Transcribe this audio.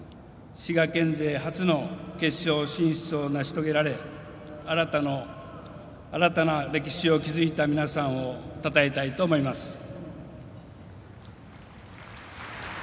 滋賀県勢初の決勝進出を成し遂げられ新たな歴史を築いた皆さんをたたえたいと思います。